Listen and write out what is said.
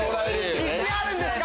自信あるんですか？